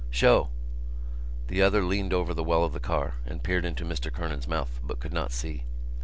"Show." The other leaned over the well of the car and peered into Mr Kernan's mouth but he could not see.